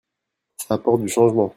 Ça apporte du changement.